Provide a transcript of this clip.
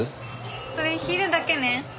それ昼だけね。